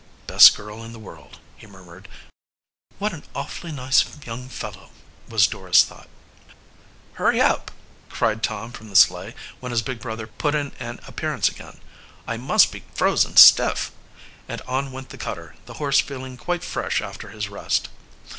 "Best girl in the world," he murmured. "What an awfully nice young fellow," was Dora's thought. "Hurry up!" cried Tom from the sleigh, when his big brother put in an appearance again. "I'm most frozen stiff!" And on went the cutter, the horse feeling quite fresh after his rest.